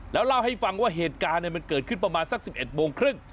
แล้วเล่าให้ฟังว่าเหตุการณ์มันเกิดขึ้นประมาณสัก๑๑โมงครึ่ง